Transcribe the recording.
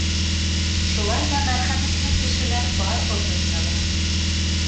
Шулай ҙа мәрхәмәтле кешеләр бар был донъяла.